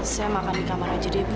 saya makan di kamar aja deh bu